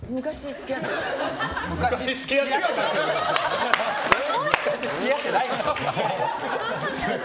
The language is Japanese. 付き合ってないでしょ。